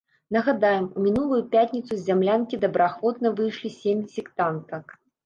Нагадаем, у мінулую пятніцу з зямлянкі добраахвотна выйшлі сем сектантак.